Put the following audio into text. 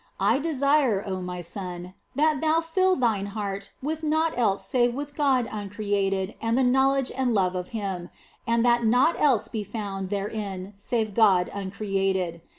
I desire, oh my son, that thou fill thine heart with naught else save with God uncreated and the knowledge and love of Him, and that naught else be found therein save God uncreated.